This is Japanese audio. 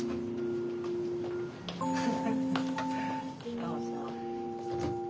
どうぞ。